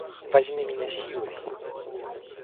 Возьми меня силой!